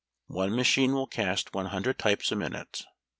One machine will cast one hundred types a minute.